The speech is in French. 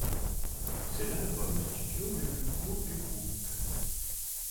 C'est l'album studio le plus court du groupe.